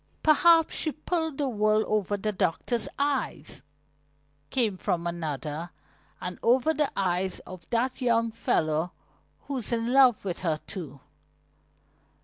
"Perhaps she pulled the wool over the doctor's eyes," came from another. "And over the eyes of that young fellow who's in love with her, too."